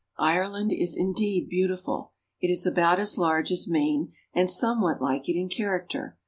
Ireland is indeed beautiful. It is about as large as Maine, and somewhat like it in character.